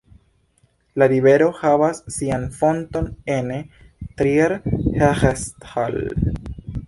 La rivero havas sian fonton ene "Trier-Herresthal".